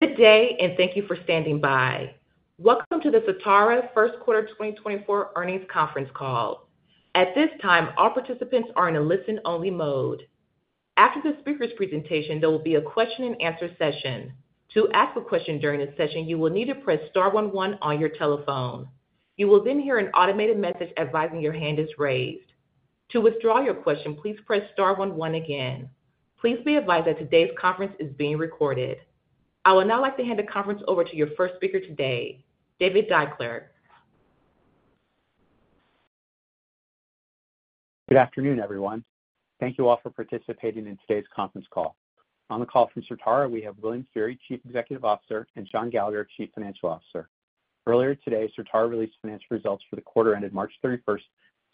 Good day, and thank you for standing by. Welcome to the Certara First Quarter 2024 Earnings Conference Call. At this time, all participants are in a listen-only mode. After the speaker's presentation, there will be a question-and-answer session. To ask a question during the session, you will need to press star one one on your telephone. You will then hear an automated message advising your hand is raised. To withdraw your question, please press star one one again. Please be advised that today's conference is being recorded. I would now like to hand the conference over to your first speaker today, David Deuchler. Good afternoon, everyone. Thank you all for participating in today's conference call. On the call from Certara, we have William F. Feehery, Chief Executive Officer, and John E. Gallagher III, Chief Financial Officer. Earlier today, Certara released financial results for the quarter ended March 31st,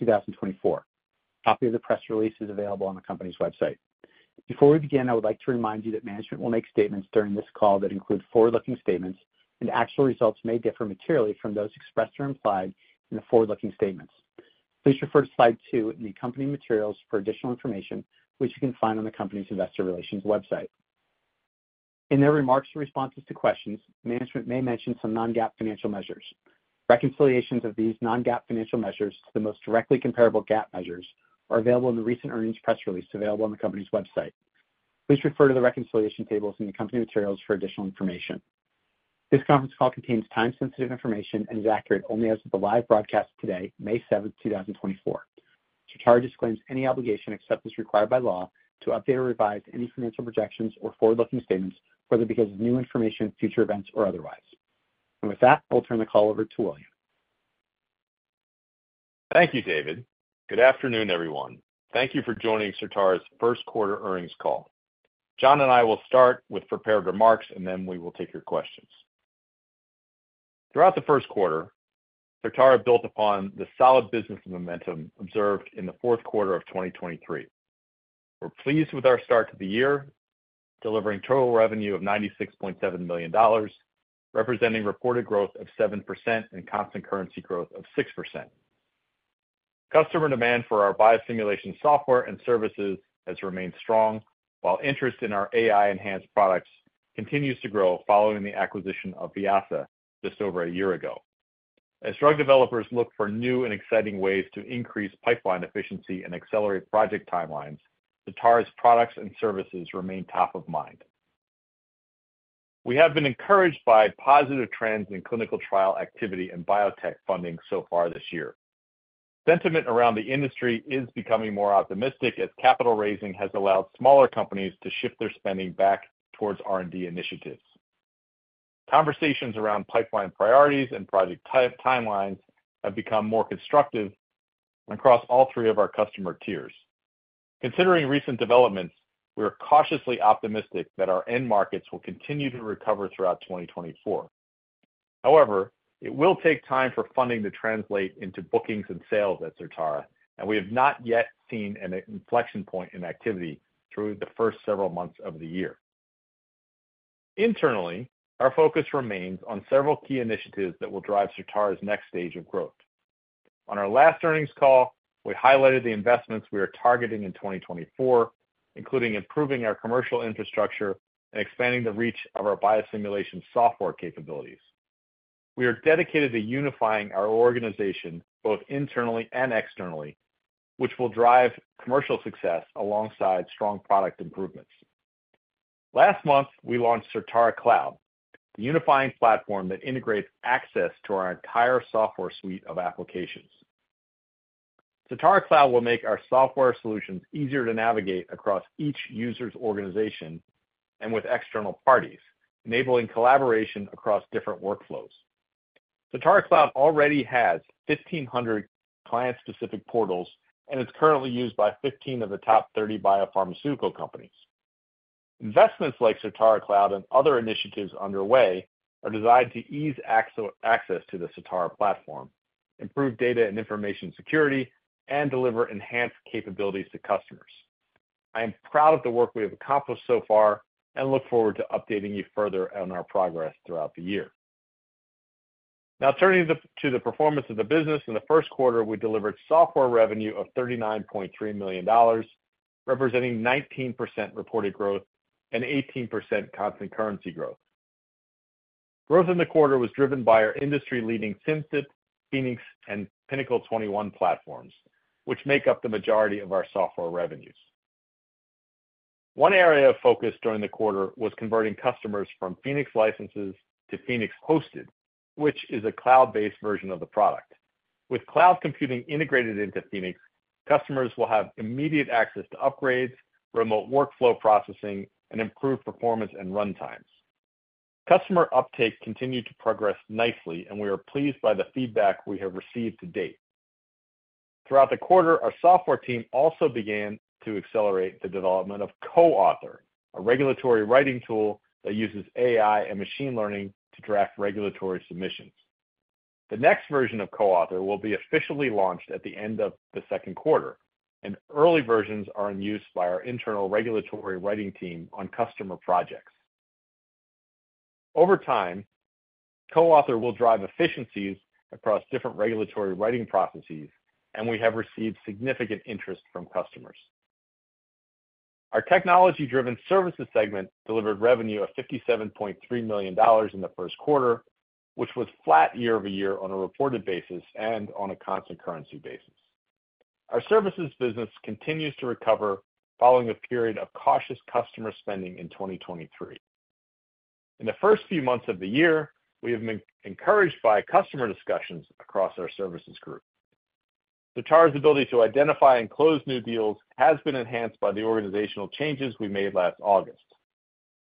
2024. A copy of the press release is available on the company's website. Before we begin, I would like to remind you that management will make statements during this call that include forward-looking statements, and actual results may differ materially from those expressed or implied in the forward-looking statements. Please refer to slide 2 in the accompanying materials for additional information, which you can find on the company's investor relations website. In their remarks or responses to questions, management may mention some non-GAAP financial measures. Reconciliations of these non-GAAP financial measures to the most directly comparable GAAP measures are available in the recent earnings press release available on the company's website. Please refer to the reconciliation tables in the accompanying materials for additional information. This conference call contains time-sensitive information and is accurate only as of the live broadcast today, May 7th, 2024. Certara disclaims any obligation except as required by law to update or revise any financial projections or forward-looking statements, whether because of new information, future events, or otherwise. With that, I'll turn the call over to William. Thank you, David. Good afternoon, everyone. Thank you for joining Certara's First Quarter Earnings Call. John and I will start with prepared remarks, and then we will take your questions. Throughout the first quarter, Certara built upon the solid business momentum observed in the fourth quarter of 2023. We're pleased with our start to the year, delivering total revenue of $96.7 million, representing reported growth of 7% and constant currency growth of 6%. Customer demand for our biosimulation software and services has remained strong, while interest in our AI-enhanced products continues to grow following the acquisition of Vyasa just over a year ago. As drug developers look for new and exciting ways to increase pipeline efficiency and accelerate project timelines, Certara's products and services remain top of mind. We have been encouraged by positive trends in clinical trial activity and biotech funding so far this year. Sentiment around the industry is becoming more optimistic as capital raising has allowed smaller companies to shift their spending back towards R&D initiatives. Conversations around pipeline priorities and project timelines have become more constructive across all three of our customer tiers. Considering recent developments, we are cautiously optimistic that our end markets will continue to recover throughout 2024. However, it will take time for funding to translate into bookings and sales at Certara, and we have not yet seen an inflection point in activity through the first several months of the year. Internally, our focus remains on several key initiatives that will drive Certara's next stage of growth. On our last earnings call, we highlighted the investments we are targeting in 2024, including improving our commercial infrastructure and expanding the reach of our biosimulation software capabilities. We are dedicated to unifying our organization both internally and externally, which will drive commercial success alongside strong product improvements. Last month, we launched Certara Cloud, the unifying platform that integrates access to our entire software suite of applications. Certara Cloud will make our software solutions easier to navigate across each user's organization and with external parties, enabling collaboration across different workflows. Certara Cloud already has 1,500 client-specific portals, and it's currently used by 15 of the top 30 biopharmaceutical companies. Investments like Certara Cloud and other initiatives underway are designed to ease access to the Certara platform, improve data and information security, and deliver enhanced capabilities to customers. I am proud of the work we have accomplished so far and look forward to updating you further on our progress throughout the year. Now, turning to the performance of the business, in the first quarter, we delivered software revenue of $39.3 million, representing 19% reported growth and 18% constant currency growth. Growth in the quarter was driven by our industry-leading Simcyp, Phoenix, and Pinnacle 21 platforms, which make up the majority of our software revenues. One area of focus during the quarter was converting customers from Phoenix licenses to Phoenix Hosted, which is a cloud-based version of the product. With cloud computing integrated into Phoenix, customers will have immediate access to upgrades, remote workflow processing, and improved performance and runtimes. Customer uptake continued to progress nicely, and we are pleased by the feedback we have received to date. Throughout the quarter, our software team also began to accelerate the development of Co-Author, a regulatory writing tool that uses AI and machine learning to draft regulatory submissions. The next version of Co-Author will be officially launched at the end of the second quarter, and early versions are in use by our internal regulatory writing team on customer projects. Over time, Co-Author will drive efficiencies across different regulatory writing processes, and we have received significant interest from customers. Our technology-driven services segment delivered revenue of $57.3 million in the first quarter, which was flat year-over-year on a reported basis and on a constant currency basis. Our services business continues to recover following a period of cautious customer spending in 2023. In the first few months of the year, we have been encouraged by customer discussions across our services group. Certara's ability to identify and close new deals has been enhanced by the organizational changes we made last August.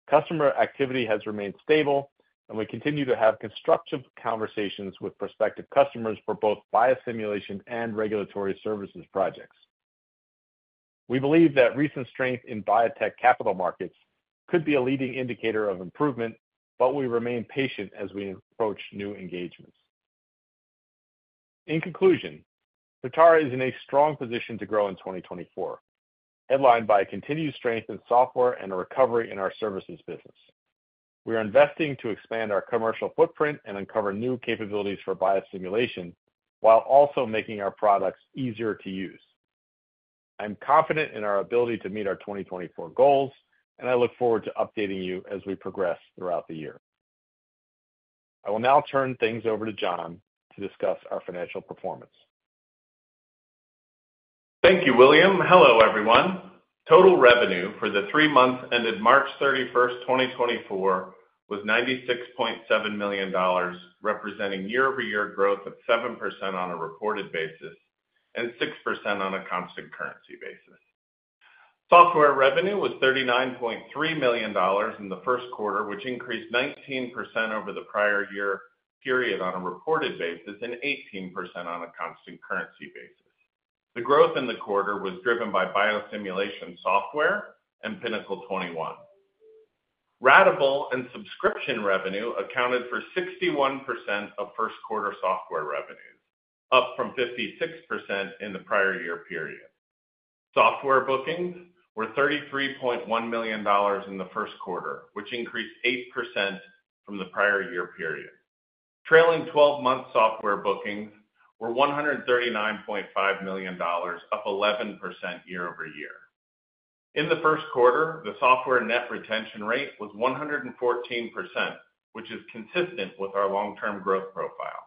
Customer activity has remained stable, and we continue to have constructive conversations with prospective customers for both biosimulation and regulatory services projects. We believe that recent strength in biotech capital markets could be a leading indicator of improvement, but we remain patient as we approach new engagements. In conclusion, Certara is in a strong position to grow in 2024, headlined by continued strength in software and a recovery in our services business. We are investing to expand our commercial footprint and uncover new capabilities for biosimulation while also making our products easier to use. I'm confident in our ability to meet our 2024 goals, and I look forward to updating you as we progress throughout the year. I will now turn things over to John to discuss our financial performance. Thank you, William. Hello, everyone. Total revenue for the three months ended March 31st, 2024, was $96.7 million, representing year-over-year growth of 7% on a reported basis and 6% on a constant currency basis. Software revenue was $39.3 million in the first quarter, which increased 19% over the prior year period on a reported basis and 18% on a constant currency basis. The growth in the quarter was driven by biosimulation software and Pinnacle 21. Ratable and subscription revenue accounted for 61% of first-quarter software revenues, up from 56% in the prior year period. Software bookings were $33.1 million in the first quarter, which increased 8% from the prior year period. Trailing 12-month software bookings were $139.5 million, up 11% year-over-year. In the first quarter, the software net retention rate was 114%, which is consistent with our long-term growth profile.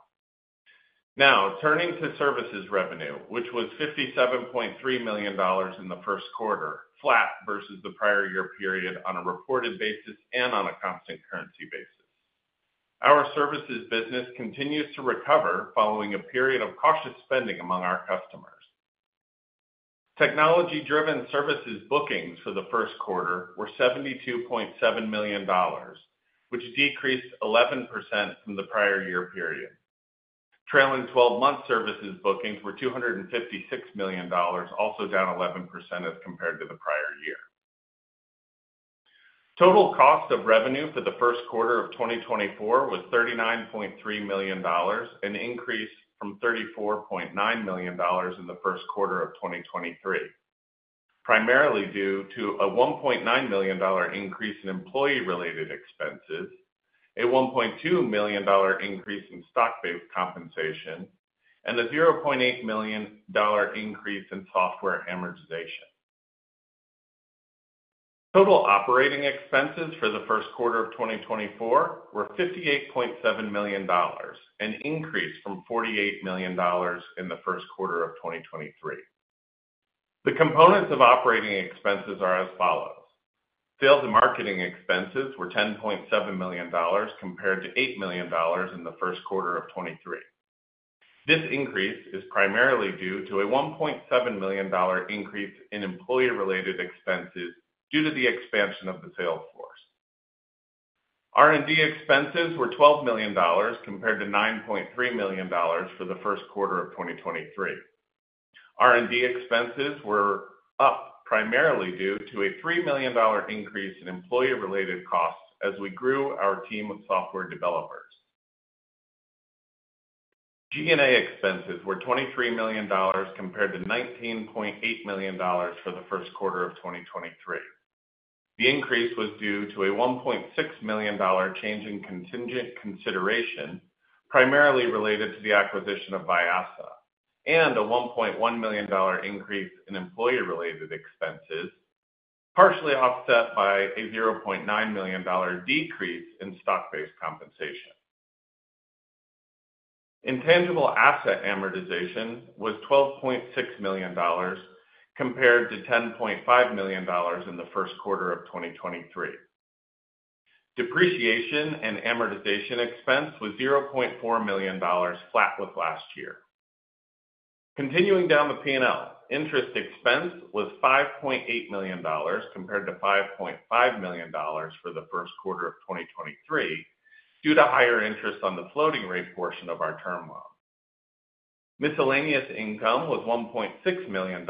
Now, turning to services revenue, which was $57.3 million in the first quarter, flat versus the prior year period on a reported basis and on a constant currency basis. Our services business continues to recover following a period of cautious spending among our customers. Technology-driven services bookings for the first quarter were $72.7 million, which decreased 11% from the prior year period. Trailing 12-month services bookings were $256 million, also down 11% as compared to the prior year. Total cost of revenue for the first quarter of 2024 was $39.3 million, an increase from $34.9 million in the first quarter of 2023, primarily due to a $1.9 million increase in employee-related expenses, a $1.2 million increase in stock-based compensation, and a $0.8 million increase in software amortization. Total operating expenses for the first quarter of 2024 were $58.7 million, an increase from $48 million in the first quarter of 2023. The components of operating expenses are as follows. Sales and marketing expenses were $10.7 million compared to $8 million in the first quarter of 2023. This increase is primarily due to a $1.7 million increase in employee-related expenses due to the expansion of the sales force. R&D expenses were $12 million compared to $9.3 million for the first quarter of 2023. R&D expenses were up primarily due to a $3 million increase in employee-related costs as we grew our team of software developers. G&A expenses were $23 million compared to $19.8 million for the first quarter of 2023. The increase was due to a $1.6 million change in contingent consideration, primarily related to the acquisition of Vyasa, and a $1.1 million increase in employee-related expenses, partially offset by a $0.9 million decrease in stock-based compensation. Intangible asset amortization was $12.6 million compared to $10.5 million in the first quarter of 2023. Depreciation and amortization expense was $0.4 million, flat with last year. Continuing down the P&L, interest expense was $5.8 million compared to $5.5 million for the first quarter of 2023 due to higher interest on the floating rate portion of our term loan. Miscellaneous income was $1.6 million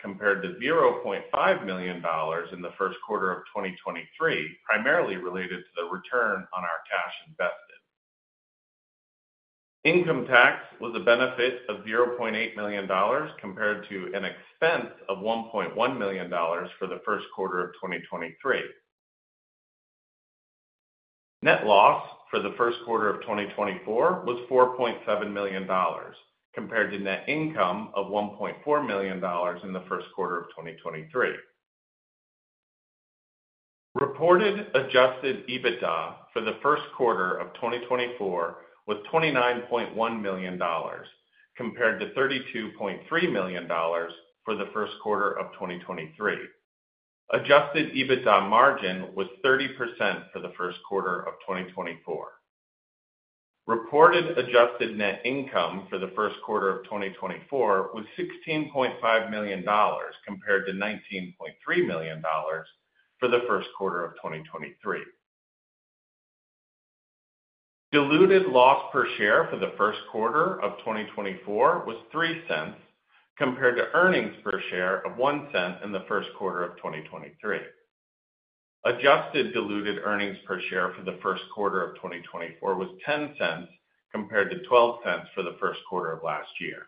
compared to $0.5 million in the first quarter of 2023, primarily related to the return on our cash invested. Income tax was a benefit of $0.8 million compared to an expense of $1.1 million for the first quarter of 2023. Net loss for the first quarter of 2024 was $4.7 million compared to net income of $1.4 million in the first quarter of 2023. Reported Adjusted EBITDA for the first quarter of 2024 was $29.1 million compared to $32.3 million for the first quarter of 2023. Adjusted EBITDA margin was 30% for the first quarter of 2024. Reported adjusted net income for the first quarter of 2024 was $16.5 million compared to $19.3 million for the first quarter of 2023. Diluted loss per share for the first quarter of 2024 was $0.03 compared to earnings per share of $0.01 in the first quarter of 2023. Adjusted diluted earnings per share for the first quarter of 2024 was $0.10 compared to $0.12 for the first quarter of last year.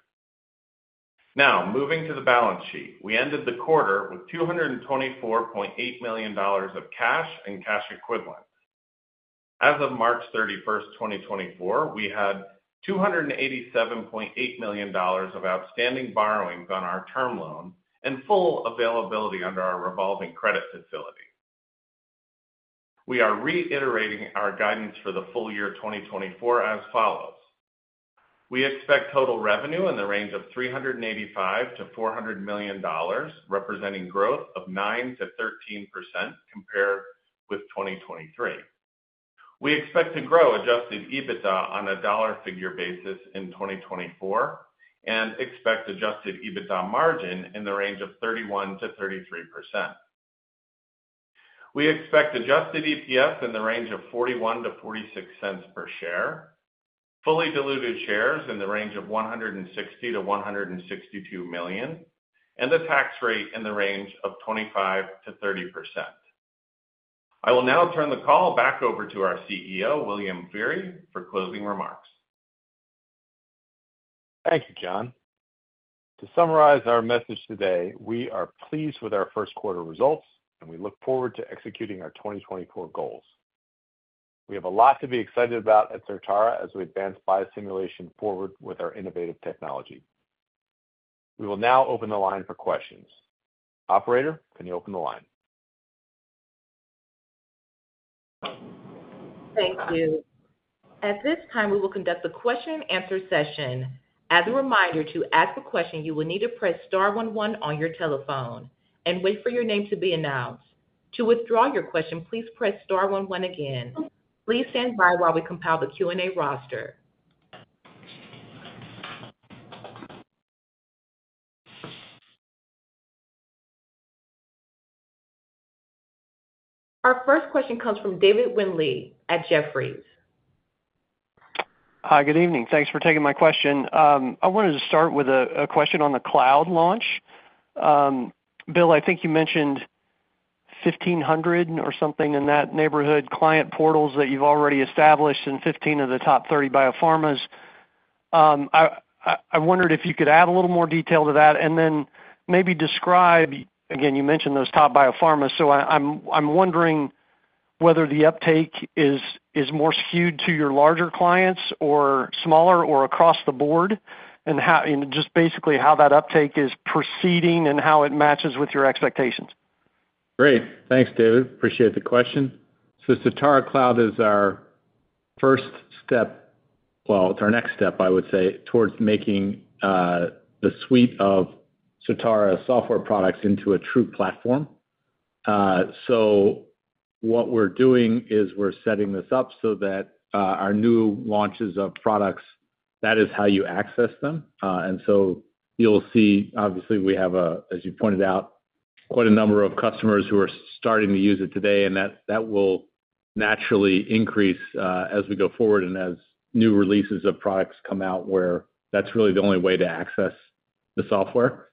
Now, moving to the balance sheet, we ended the quarter with $224.8 million of cash and cash equivalents. As of March 31st, 2024, we had $287.8 million of outstanding borrowings on our term loan and full availability under our revolving credit facility. We are reiterating our guidance for the full year 2024 as follows. We expect total revenue in the range of $385-$400 million, representing growth of 9%-13% compared with 2023. We expect to grow Adjusted EBITDA on a dollar figure basis in 2024 and expect Adjusted EBITDA margin in the range of 31%-33%. We expect adjusted EPS in the range of $0.41-$0.46 per share, fully diluted shares in the range of 160-162 million, and the tax rate in the range of 25%-30%. I will now turn the call back over to our CEO, William Feehery, for closing remarks. Thank you, John. To summarize our message today, we are pleased with our first quarter results, and we look forward to executing our 2024 goals. We have a lot to be excited about at Certara as we advance biosimulation forward with our innovative technology. We will now open the line for questions. Operator, can you open the line? Thank you. At this time, we will conduct a question-and-answer session. As a reminder, to ask a question, you will need to press star one one on your telephone and wait for your name to be announced. To withdraw your question, please press star one one again. Please stand by while we compile the Q&A roster. Our first question comes from David Windley at Jefferies. Hi, good evening. Thanks for taking my question. I wanted to start with a question on the cloud launch. Bill, I think you mentioned 1,500 or something in that neighborhood client portals that you've already established and 15 of the top 30 biopharmas. I wondered if you could add a little more detail to that and then maybe describe again, you mentioned those top biopharmas, so I'm wondering whether the uptake is more skewed to your larger clients or smaller or across the board and just basically how that uptake is proceeding and how it matches with your expectations. Great. Thanks, David. Appreciate the question. So Certara Cloud is our first step, well, it's our next step, I would say, towards making the suite of Certara software products into a true platform. So what we're doing is we're setting this up so that our new launches of products, that is how you access them. And so you'll see, obviously, we have, as you pointed out, quite a number of customers who are starting to use it today, and that will naturally increase as we go forward and as new releases of products come out where that's really the only way to access the software.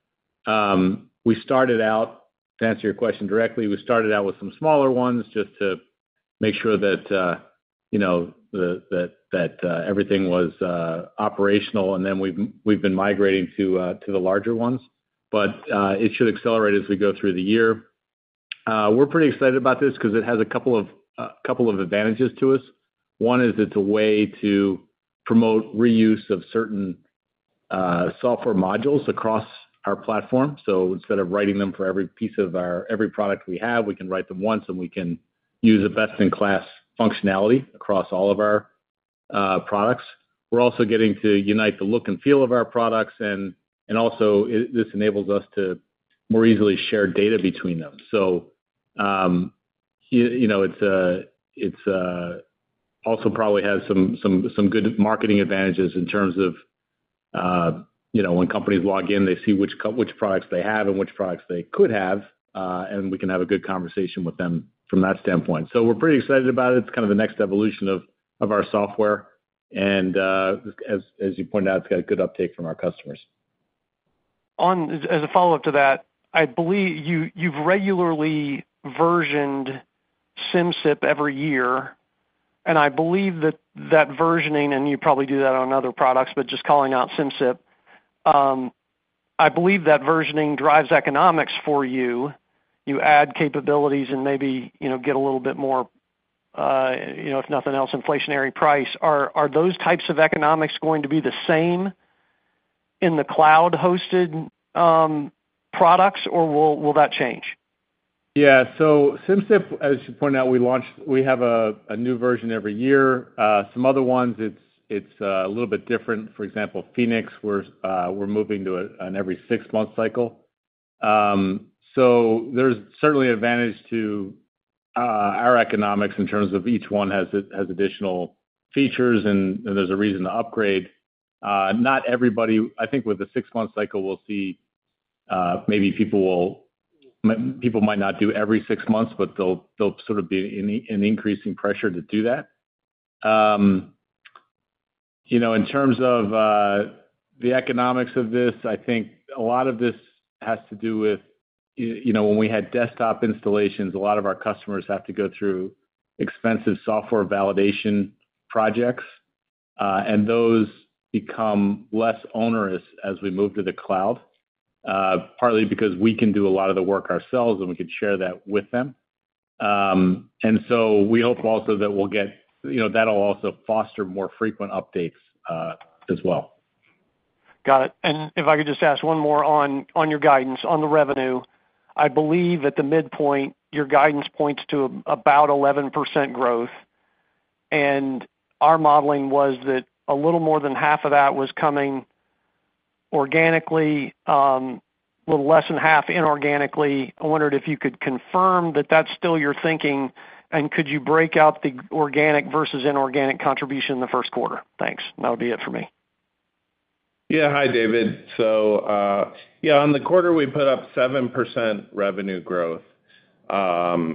We started out, to answer your question directly, we started out with some smaller ones just to make sure that everything was operational, and then we've been migrating to the larger ones. But it should accelerate as we go through the year. We're pretty excited about this because it has a couple of advantages to us. One is it's a way to promote reuse of certain software modules across our platform. So instead of writing them for every piece of our every product we have, we can write them once, and we can use a best-in-class functionality across all of our products. We're also getting to unite the look and feel of our products, and also this enables us to more easily share data between them. So it also probably has some good marketing advantages in terms of when companies log in, they see which products they have and which products they could have, and we can have a good conversation with them from that standpoint. So we're pretty excited about it. It's kind of the next evolution of our software. As you pointed out, it's got a good uptake from our customers. As a follow-up to that, I believe you've regularly versioned Simcyp every year, and I believe that versioning and you probably do that on other products, but just calling out Simcyp, I believe that versioning drives economics for you. You add capabilities and maybe get a little bit more, if nothing else, inflationary price. Are those types of economics going to be the same in the cloud-hosted products, or will that change? Yeah. So Simcyp, as you pointed out, we have a new version every year. Some other ones, it's a little bit different. For example, Phoenix, we're moving to an every-six-month cycle. So there's certainly an advantage to our economics in terms of each one has additional features, and there's a reason to upgrade. Not everybody I think with the six-month cycle, we'll see maybe people might not do every six months, but they'll sort of be in increasing pressure to do that. In terms of the economics of this, I think a lot of this has to do with when we had desktop installations, a lot of our customers have to go through expensive software validation projects, and those become less onerous as we move to the cloud, partly because we can do a lot of the work ourselves, and we can share that with them. So we hope also that we'll get that'll also foster more frequent updates as well. Got it. If I could just ask one more on your guidance on the revenue, I believe at the midpoint, your guidance points to about 11% growth. Our modeling was that a little more than half of that was coming organically, a little less than half inorganically. I wondered if you could confirm that that's still your thinking, and could you break out the organic versus inorganic contribution in the first quarter? Thanks. That would be it for me. Yeah. Hi, David. So yeah, on the quarter, we put up 7% revenue growth. As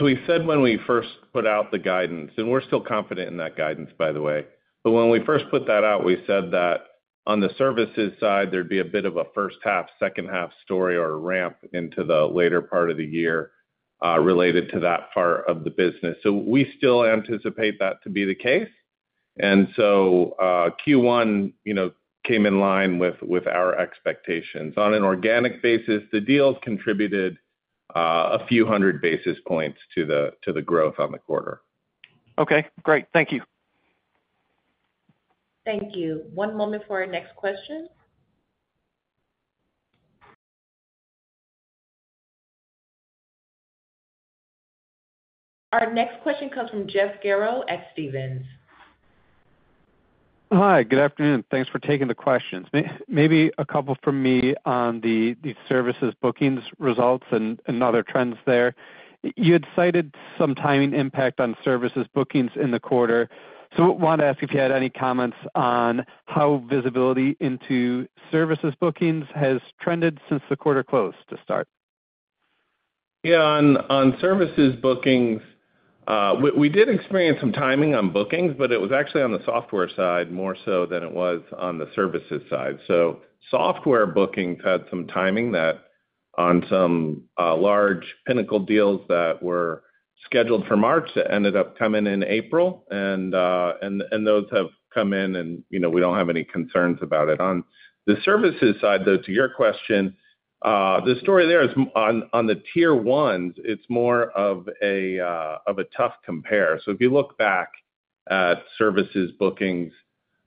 we said when we first put out the guidance and we're still confident in that guidance, by the way. When we first put that out, we said that on the services side, there'd be a bit of a first-half, second-half story or a ramp into the later part of the year related to that part of the business. We still anticipate that to be the case. Q1 came in line with our expectations. On an organic basis, the deals contributed a few hundred basis points to the growth on the quarter. Okay. Great. Thank you. Thank you. One moment for our next question. Our next question comes from Jeff Garro at Stephens. Hi. Good afternoon. Thanks for taking the questions. Maybe a couple from me on the services bookings results and other trends there. You had cited some timing impact on services bookings in the quarter. So I wanted to ask if you had any comments on how visibility into services bookings has trended since the quarter closed, to start? Yeah. On services bookings, we did experience some timing on bookings, but it was actually on the software side more so than it was on the services side. So software bookings had some timing on some large Pinnacle deals that were scheduled for March that ended up coming in April. And those have come in, and we don't have any concerns about it. On the services side, though, to your question, the story there is on the tier ones, it's more of a tough compare. So if you look back at services bookings,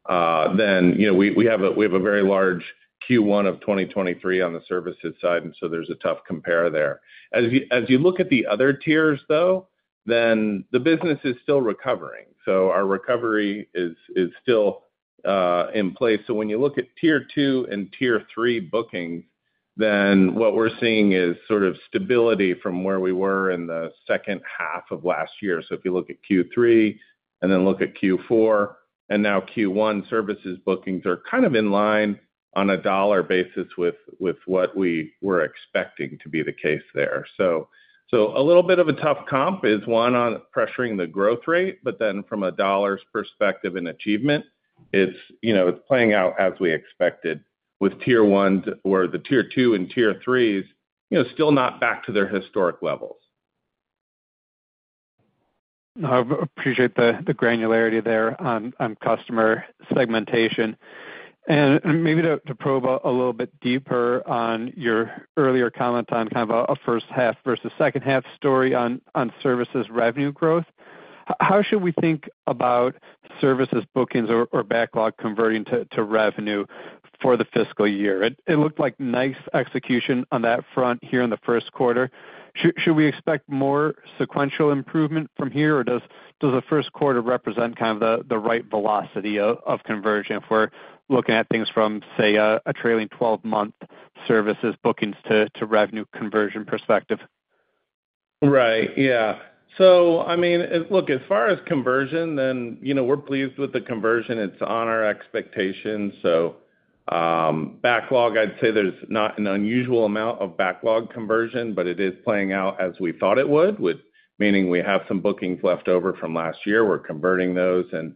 then we have a very large Q1 of 2023 on the services side, and so there's a tough compare there. As you look at the other tiers, though, then the business is still recovering. So our recovery is still in place. So when you look at tier two and tier three bookings, then what we're seeing is sort of stability from where we were in the second half of last year. So if you look at Q3 and then look at Q4 and now Q1, services bookings are kind of in line on a dollar basis with what we were expecting to be the case there. So a little bit of a tough comp is one on pressuring the growth rate, but then from a dollar's perspective and achievement, it's playing out as we expected with tier ones where the tier two and tier threes still not back to their historic levels. I appreciate the granularity there on customer segmentation. Maybe to probe a little bit deeper on your earlier comment on kind of a first half versus second half story on services revenue growth, how should we think about services bookings or backlog converting to revenue for the fiscal year? It looked like nice execution on that front here in the first quarter. Should we expect more sequential improvement from here, or does the first quarter represent kind of the right velocity of conversion if we're looking at things from, say, a trailing 12-month services bookings to revenue conversion perspective? Right. Yeah. So I mean, look, as far as conversion, then we're pleased with the conversion. It's on our expectations. So backlog, I'd say there's not an unusual amount of backlog conversion, but it is playing out as we thought it would, meaning we have some bookings left over from last year. We're converting those, and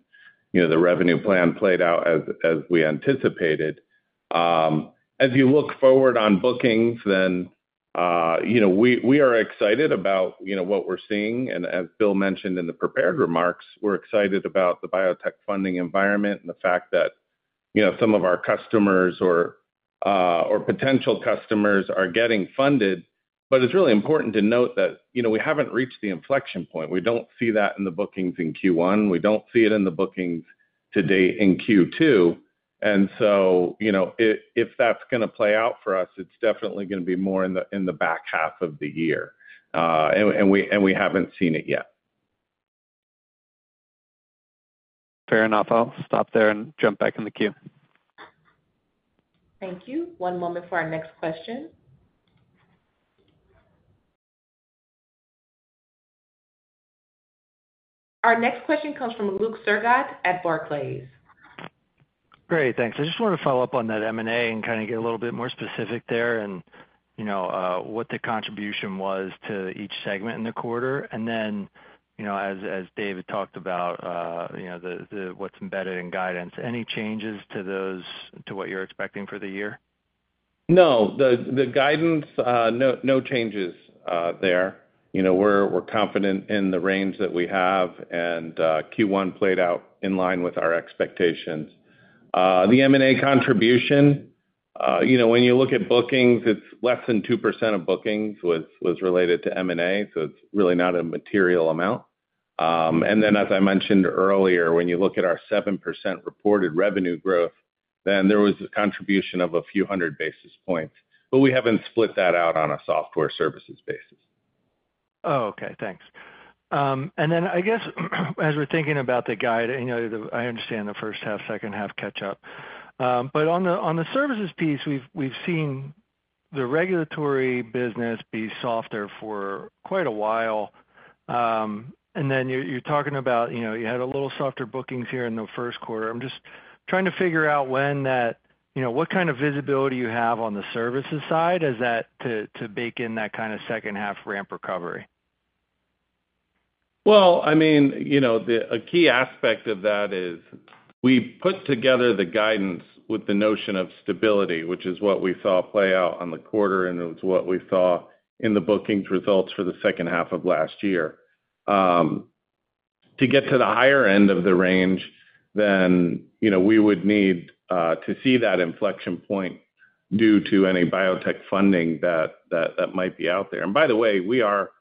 the revenue plan played out as we anticipated. As you look forward on bookings, then we are excited about what we're seeing. And as Bill mentioned in the prepared remarks, we're excited about the biotech funding environment and the fact that some of our customers or potential customers are getting funded. But it's really important to note that we haven't reached the inflection point. We don't see that in the bookings in Q1. We don't see it in the bookings to date in Q2. And so if that's going to play out for us, it's definitely going to be more in the back half of the year. And we haven't seen it yet. Fair enough. I'll stop there and jump back in the queue. Thank you. One moment for our next question. Our next question comes from Luke Sergot at Barclays. Great. Thanks. I just wanted to follow up on that M&A and kind of get a little bit more specific there and what the contribution was to each segment in the quarter. And then as David talked about what's embedded in guidance, any changes to what you're expecting for the year? No. The guidance, no changes there. We're confident in the range that we have, and Q1 played out in line with our expectations. The M&A contribution, when you look at bookings, it's less than 2% of bookings was related to M&A, so it's really not a material amount. And then as I mentioned earlier, when you look at our 7% reported revenue growth, then there was a contribution of a few hundred basis points. But we haven't split that out on a software services basis. Oh, okay. Thanks. And then, I guess, as we're thinking about the guide, I understand the first half, second half catch-up. But on the services piece, we've seen the regulatory business be softer for quite a while. And then you're talking about you had a little softer bookings here in the first quarter. I'm just trying to figure out when that what kind of visibility you have on the services side as that to bake in that kind of second-half ramp recovery. Well, I mean, a key aspect of that is we put together the guidance with the notion of stability, which is what we saw play out on the quarter, and it was what we saw in the bookings results for the second half of last year. To get to the higher end of the range, then we would need to see that inflection point due to any biotech funding that might be out there. And by the way, we are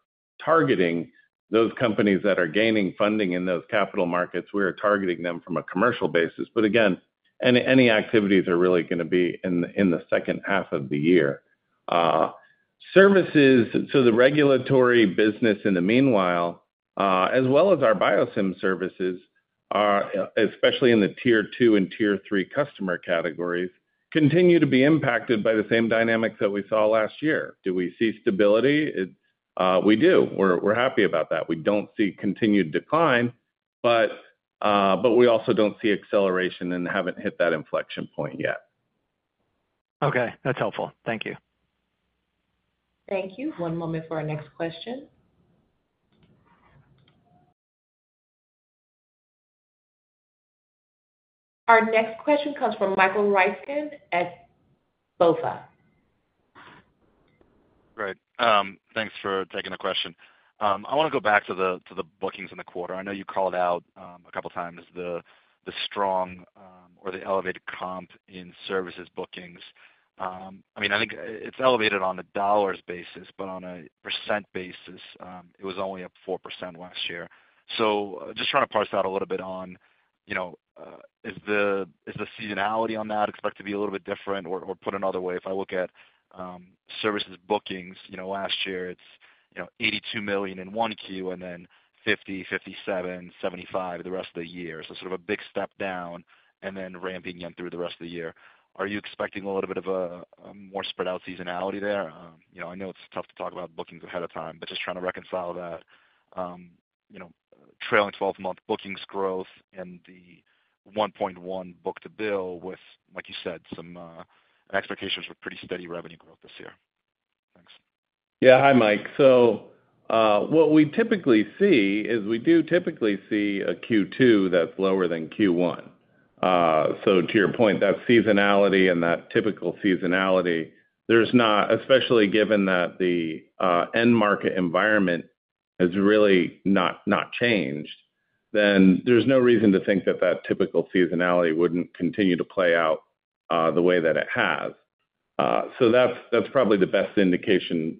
targeting those companies that are gaining funding in those capital markets. We are targeting them from a commercial basis. But again, any activities are really going to be in the second half of the year. Services, so the regulatory business in the meanwhile, as well as our biosim services, especially in the tier two and tier three customer categories, continue to be impacted by the same dynamics that we saw last year. Do we see stability? We do. We're happy about that. We don't see continued decline, but we also don't see acceleration and haven't hit that inflection point yet. Okay. That's helpful. Thank you. Thank you. One moment for our next question. Our next question comes from Michael Ryskin at BofA. Right. Thanks for taking the question. I want to go back to the bookings in the quarter. I know you called out a couple of times the strong or the elevated comp in services bookings. I mean, I think it's elevated on a dollar's basis, but on a percent basis, it was only up 4% last year. So just trying to parse that a little bit on, is the seasonality on that expected to be a little bit different or put another way? If I look at services bookings last year, it's $82 million in Q1 and then $50 million, $57 million, $75 million the rest of the year. So sort of a big step down and then ramping in through the rest of the year. Are you expecting a little bit of a more spread-out seasonality there? I know it's tough to talk about bookings ahead of time, but just trying to reconcile that trailing 12-month bookings growth and the 1.1 book-to-bill with, like you said, some expectations for pretty steady revenue growth this year. Thanks. Yeah. Hi, Mike. So what we typically see is we do typically see a Q2 that's lower than Q1. So to your point, that seasonality and that typical seasonality, especially given that the end market environment has really not changed, then there's no reason to think that that typical seasonality wouldn't continue to play out the way that it has. So that's probably the best indication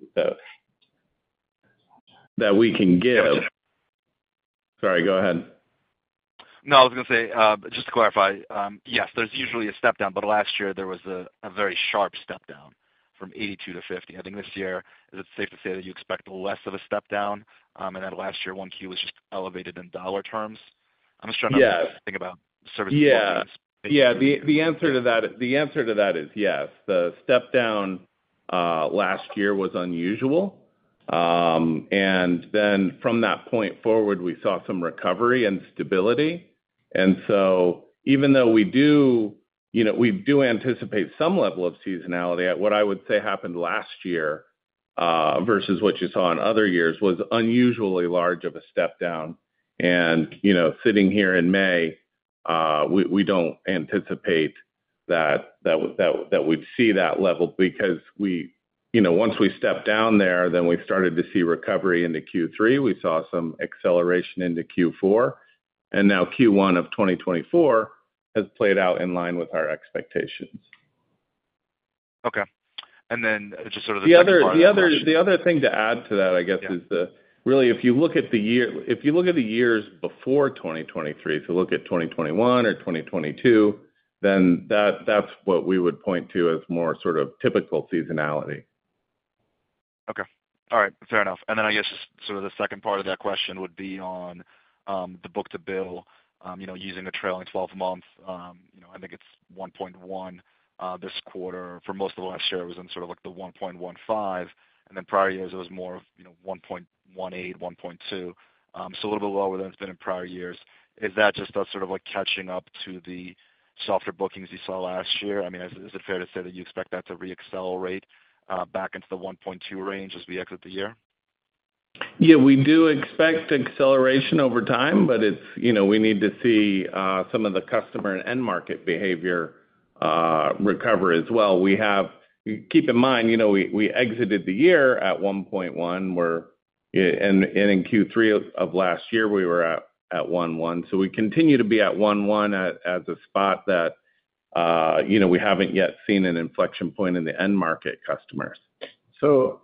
that we can give. Sorry. Go ahead. No, I was going to say, just to clarify, yes, there's usually a step down, but last year, there was a very sharp step down from 82 to 50. I think this year, is it safe to say that you expect less of a step down? And then last year, Q1 was just elevated in dollar terms. I'm just trying to think about services bookings. Yeah. Yeah. The answer to that is yes. The step down last year was unusual. Then from that point forward, we saw some recovery and stability. So even though we do anticipate some level of seasonality, what I would say happened last year versus what you saw in other years was unusually large of a step down. And sitting here in May, we don't anticipate that we'd see that level because once we stepped down there, then we started to see recovery into Q3. We saw some acceleration into Q4. And now Q1 of 2024 has played out in line with our expectations. Okay. And then just sort of the second part of that. The other thing to add to that, I guess, is really if you look at the years before 2023, so look at 2021 or 2022, then that's what we would point to as more sort of typical seasonality. Okay. All right. Fair enough. And then I guess sort of the second part of that question would be on the book-to-bill using the trailing 12-month. I think it's 1.1 this quarter. For most of last year, it was in sort of the 1.15. And then prior years, it was more of 1.18, 1.2. So a little bit lower than it's been in prior years. Is that just us sort of catching up to the softer bookings you saw last year? I mean, is it fair to say that you expect that to re-accelerate back into the 1.2 range as we exit the year? Yeah. We do expect acceleration over time, but we need to see some of the customer and end market behavior recover as well. Keep in mind, we exited the year at 1.1, and in Q3 of last year, we were at 1.1. So we continue to be at 1.1 as a spot that we haven't yet seen an inflection point in the end market customers. So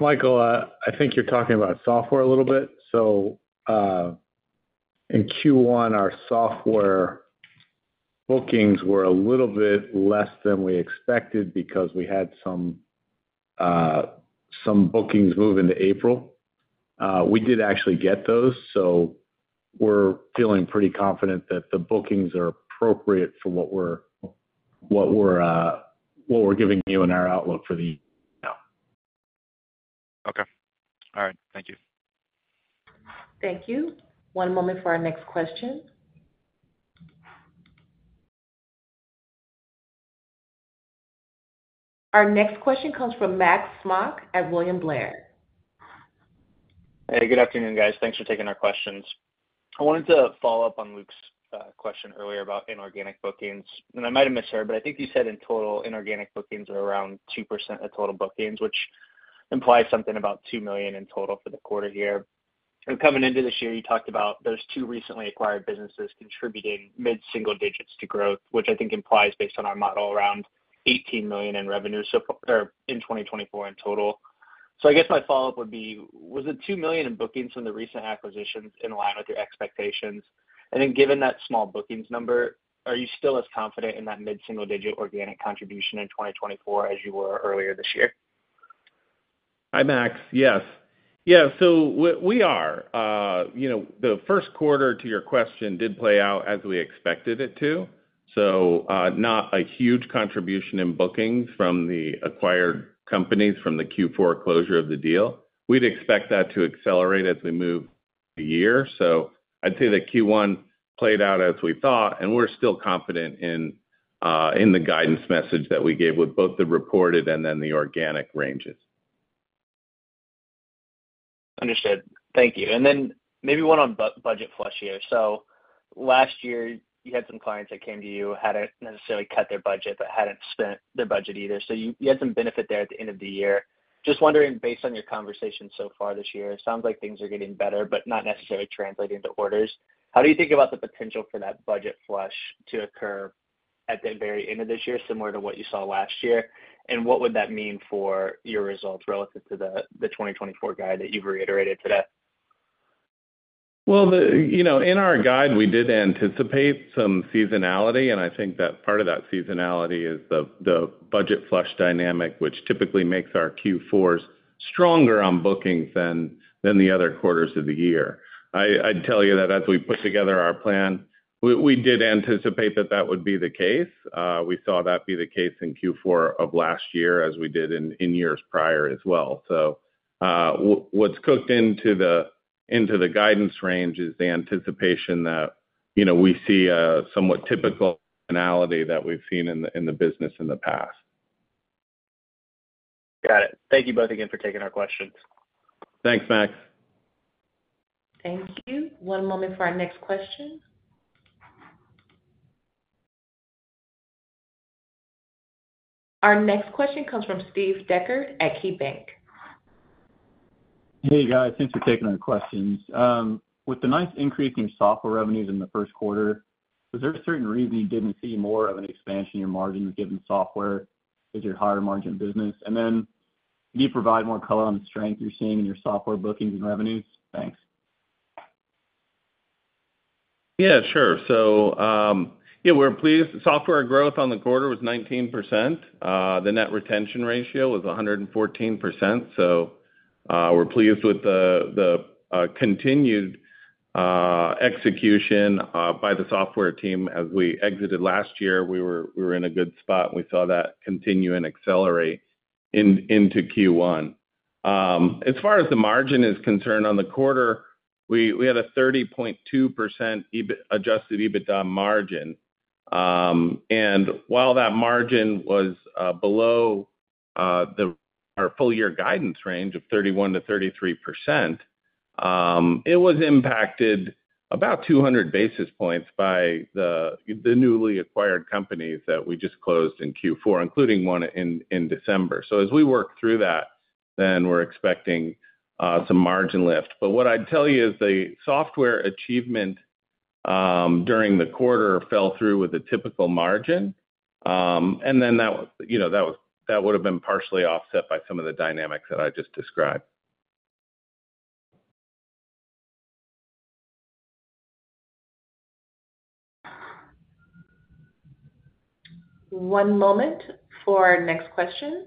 Michael, I think you're talking about software a little bit. So in Q1, our software bookings were a little bit less than we expected because we had some bookings move into April. We did actually get those, so we're feeling pretty confident that the bookings are appropriate for what we're giving you in our outlook for the year. Okay. All right. Thank you. Thank you. One moment for our next question. Our next question comes from Max Smock at William Blair. Hey, good afternoon, guys. Thanks for taking our questions. I wanted to follow up on Luke's question earlier about inorganic bookings. And I might have missed her, but I think you said in total, inorganic bookings are around 2% of total bookings, which implies something about $2 million in total for the quarter here. And coming into this year, you talked about those two recently acquired businesses contributing mid-single digits to growth, which I think implies based on our model around $18 million in revenue in 2024 in total. So I guess my follow-up would be, was the $2 million in bookings from the recent acquisitions in line with your expectations? And then given that small bookings number, are you still as confident in that mid-single digit organic contribution in 2024 as you were earlier this year? Hi, Max. Yes. Yeah. The first quarter, to your question, did play out as we expected it to. So not a huge contribution in bookings from the acquired companies from the Q4 closure of the deal. We'd expect that to accelerate as we move the year. So I'd say that Q1 played out as we thought, and we're still confident in the guidance message that we gave with both the reported and then the organic ranges. Understood. Thank you. Then maybe one on budget flush here. So last year, you had some clients that came to you, hadn't necessarily cut their budget, but hadn't spent their budget either. You had some benefit there at the end of the year. Just wondering, based on your conversation so far this year, it sounds like things are getting better, but not necessarily translating into orders. How do you think about the potential for that budget flush to occur at the very end of this year, similar to what you saw last year? And what would that mean for your results relative to the 2024 guide that you've reiterated today? Well, in our guide, we did anticipate some seasonality, and I think that part of that seasonality is the budget flush dynamic, which typically makes our Q4s stronger on bookings than the other quarters of the year. I'd tell you that as we put together our plan, we did anticipate that that would be the case. We saw that be the case in Q4 of last year as we did in years prior as well. So what's cooked into the guidance range is the anticipation that we see a somewhat typical analogy that we've seen in the business in the past. Got it. Thank you both again for taking our questions. Thanks, Max. Thank you. One moment for our next question. Our next question comes from Steve Dechert at KeyBanc. Hey, guys. Thanks for taking our questions. With the nice increase in your software revenues in the first quarter, was there a certain reason you didn't see more of an expansion in your margins given software as your higher-margin business? And then can you provide more color on the strength you're seeing in your software bookings and revenues? Thanks. Yeah, sure. So yeah, we're pleased. Software growth on the quarter was 19%. The net retention ratio was 114%. So we're pleased with the continued execution by the software team. As we exited last year, we were in a good spot, and we saw that continue and accelerate into Q1. As far as the margin is concerned on the quarter, we had a 30.2% Adjusted EBITDA margin. And while that margin was below our full-year guidance range of 31%-33%, it was impacted about 200 basis points by the newly acquired companies that we just closed in Q4, including one in December. So as we work through that, then we're expecting some margin lift. But what I'd tell you is the software achievement during the quarter fell through with a typical margin. And then that would have been partially offset by some of the dynamics that I just described. One moment for our next question.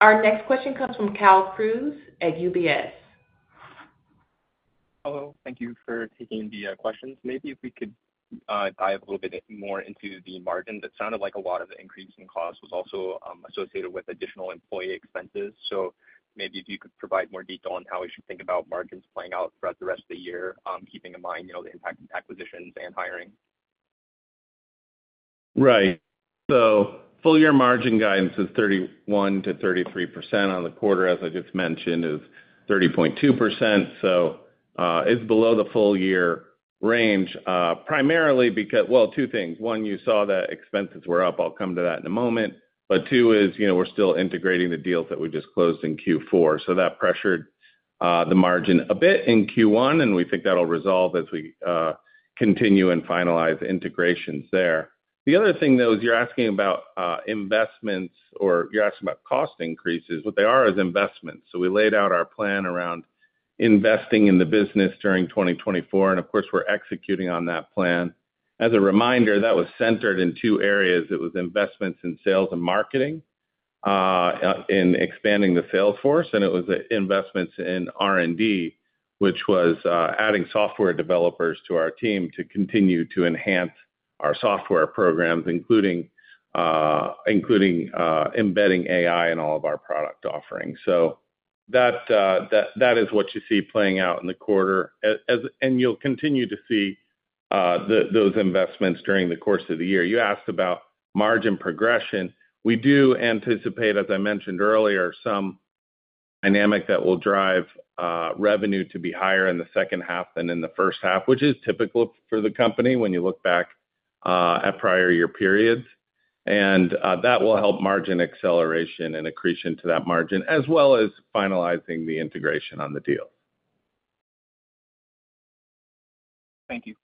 Our next question comes from Cal Cruz at UBS. Hello. Thank you for taking the questions. Maybe if we could dive a little bit more into the margin. It sounded like a lot of the increase in cost was also associated with additional employee expenses. So maybe if you could provide more detail on how we should think about margins playing out throughout the rest of the year, keeping in mind the impact of acquisitions and hiring? Right. So full-year margin guidance is 31%-33%. On the quarter, as I just mentioned, is 30.2%. So it's below the full-year range primarily because well, two things. One, you saw that expenses were up. I'll come to that in a moment. But two is we're still integrating the deals that we just closed in Q4. So that pressured the margin a bit in Q1, and we think that'll resolve as we continue and finalize integrations there. The other thing, though, is you're asking about investments or you're asking about cost increases. What they are is investments. So we laid out our plan around investing in the business during 2024. And of course, we're executing on that plan. As a reminder, that was centered in two areas. It was investments in sales and marketing in expanding the sales force. And it was investments in R&D, which was adding software developers to our team to continue to enhance our software programs, including embedding AI in all of our product offerings. So that is what you see playing out in the quarter, and you'll continue to see those investments during the course of the year. You asked about margin progression. We do anticipate, as I mentioned earlier, some dynamic that will drive revenue to be higher in the second half than in the first half, which is typical for the company when you look back at prior year periods. And that will help margin acceleration and accretion to that margin, as well as finalizing the integration on the deal. Thank you.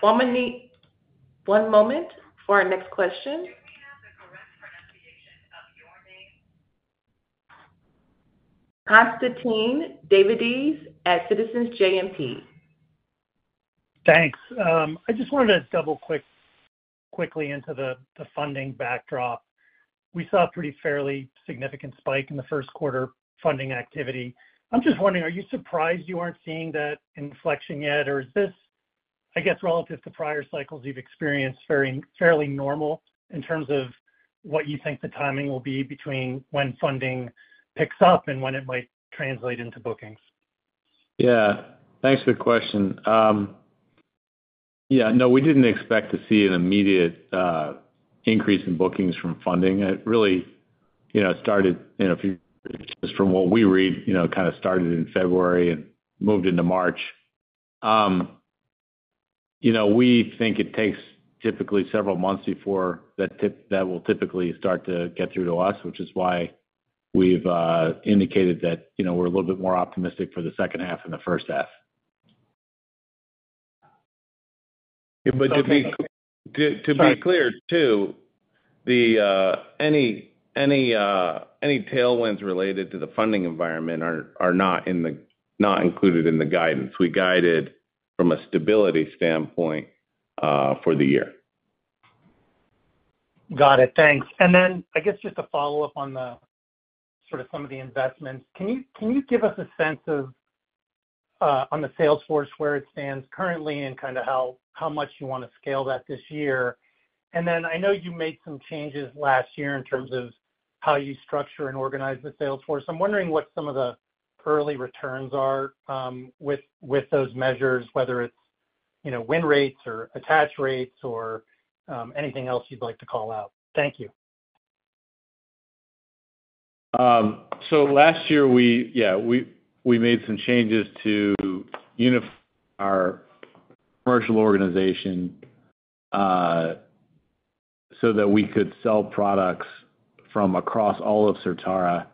One moment for our next question. Constantine Davides at Citizens JMP. Thanks. I just wanted to double-click quickly into the funding backdrop. We saw a pretty fairly significant spike in the first quarter funding activity. I'm just wondering, are you surprised you aren't seeing that inflection yet, or is this, I guess, relative to prior cycles you've experienced, fairly normal in terms of what you think the timing will be between when funding picks up and when it might translate into bookings? Yeah. Thanks for the question. Yeah. No, we didn't expect to see an immediate increase in bookings from funding. It really started if you're just from what we read, kind of started in February and moved into March. We think it takes typically several months before that will typically start to get through to us, which is why we've indicated that we're a little bit more optimistic for the second half and the first half. But to be clear too, any tailwinds related to the funding environment are not included in the guidance. We guided from a stability standpoint for the year. Got it. Thanks. And then I guess just to follow up on sort of some of the investments, can you give us a sense of on the sales force where it stands currently and kind of how much you want to scale that this year? And then I know you made some changes last year in terms of how you structure and organize the sales force. I'm wondering what some of the early returns are with those measures, whether it's win rates or attach rates or anything else you'd like to call out. Thank you. Last year, yeah, we made some changes to unify our commercial organization so that we could sell products from across all of Certara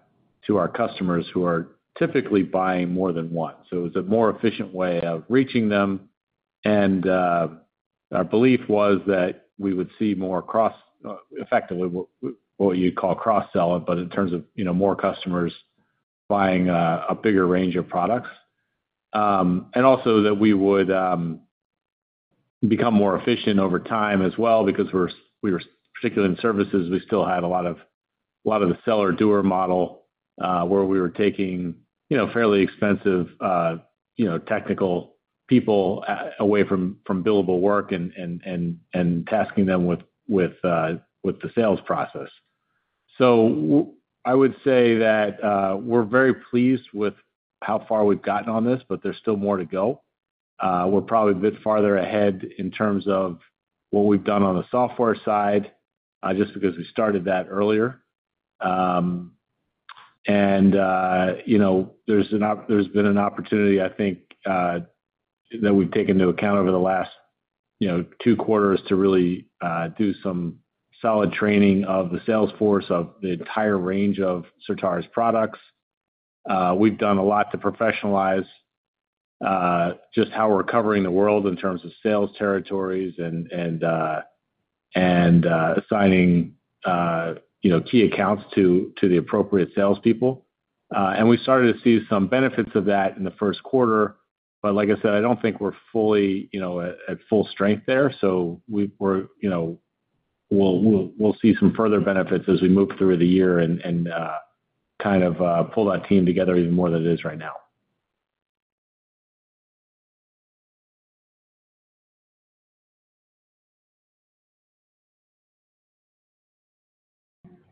to our customers who are typically buying more than one. It was a more efficient way of reaching them. Our belief was that we would see more effectively what you'd call cross-selling, but in terms of more customers buying a bigger range of products. Also that we would become more efficient over time as well because we were particularly in services, we still had a lot of the seller-doer model where we were taking fairly expensive technical people away from billable work and tasking them with the sales process. I would say that we're very pleased with how far we've gotten on this, but there's still more to go. We're probably a bit farther ahead in terms of what we've done on the software side just because we started that earlier. There's been an opportunity, I think, that we've taken into account over the last 2 quarters to really do some solid training of the sales force of the entire range of Certara's products. We've done a lot to professionalize just how we're covering the world in terms of sales territories and assigning key accounts to the appropriate salespeople. We started to see some benefits of that in the first quarter. But like I said, I don't think we're fully at full strength there. We'll see some further benefits as we move through the year and kind of pull that team together even more than it is right now.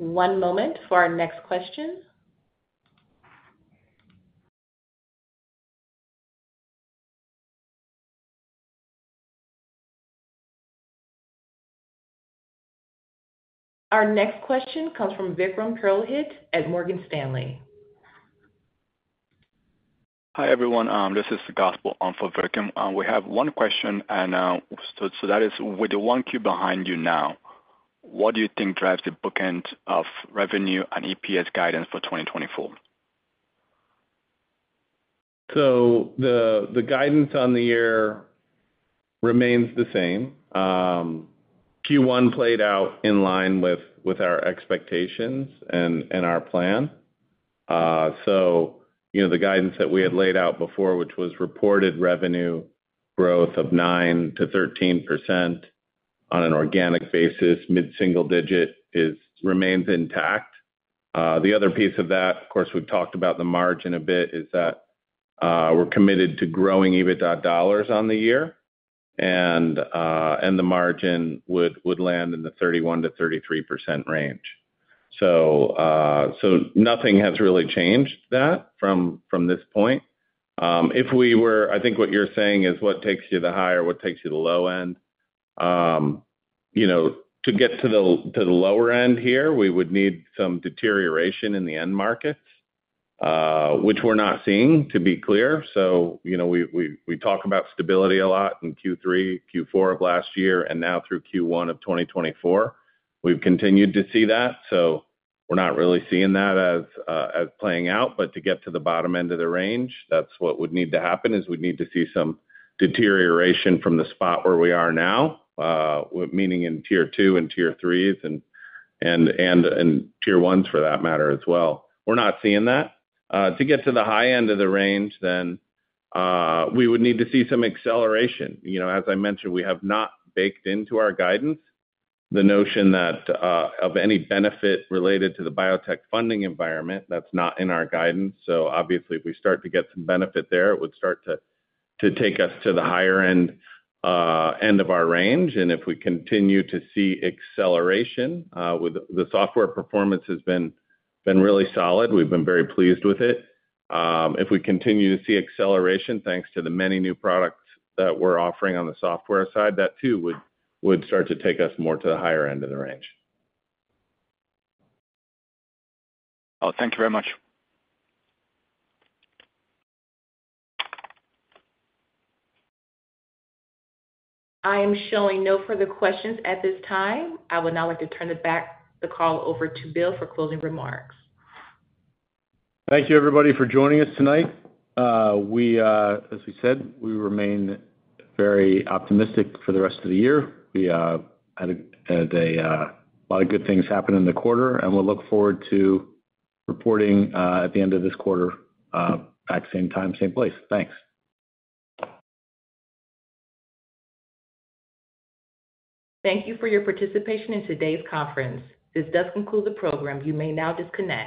One moment for our next question. Our next question comes from Vikram Purohit at Morgan Stanley. Hi, everyone. This is the question for Vikram. We have one question. So that is, with the Q1 behind you now, what do you think drives the bookends of revenue and EPS guidance for 2024? So the guidance on the year remains the same. Q1 played out in line with our expectations and our plan. So the guidance that we had laid out before, which was reported revenue growth of 9%-13% on an organic basis, mid-single digit, remains intact. The other piece of that, of course, we've talked about the margin a bit, is that we're committed to growing EBITDA dollars on the year. And the margin would land in the 31%-33% range. So nothing has really changed that from this point. If we were, I think what you're saying is what takes you to the high or what takes you to the low end. To get to the lower end here, we would need some deterioration in the end markets, which we're not seeing, to be clear. So we talk about stability a lot in Q3, Q4 of last year, and now through Q1 of 2024. We've continued to see that. So we're not really seeing that as playing out. But to get to the bottom end of the range, that's what would need to happen is we'd need to see some deterioration from the spot where we are now, meaning in tier 2 and tier 3s and tier 1s for that matter as well. We're not seeing that. To get to the high end of the range, then we would need to see some acceleration. As I mentioned, we have not baked into our guidance the notion of any benefit related to the biotech funding environment. That's not in our guidance. So obviously, if we start to get some benefit there, it would start to take us to the higher end of our range. If we continue to see acceleration, the software performance has been really solid. We've been very pleased with it. If we continue to see acceleration, thanks to the many new products that we're offering on the software side, that too would start to take us more to the higher end of the range. Oh, thank you very much. I am showing no further questions at this time. I would now like to turn the call over to Bill for closing remarks. Thank you, everybody, for joining us tonight. As we said, we remain very optimistic for the rest of the year. We had a lot of good things happen in the quarter, and we'll look forward to reporting at the end of this quarter at the same time, same place. Thanks. Thank you for your participation in today's conference. This does conclude the program. You may now disconnect.